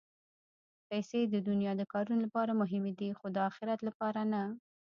پېسې د دنیا د کارونو لپاره مهمې دي، خو د اخرت لپاره نه.